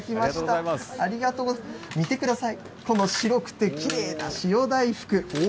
見てください、この白くてきれいな塩大福。